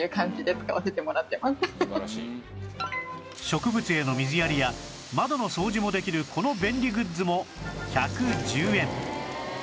植物への水やりや窓の掃除もできるこの便利グッズも１１０円